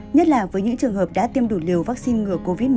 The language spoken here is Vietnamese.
nhất là với những trường hợp đã tiêm đủ liều vaccine ngừa covid một mươi chín